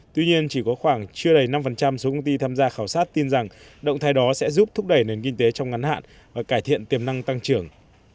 tuy nhiên chỉ có khoảng chưa đầy năm số công ty tham gia khảo sát tin rằng động thái đó sẽ giúp thúc đẩy nền kinh tế trong ngắn hạn và cải thiện tiềm năng tăng trưởng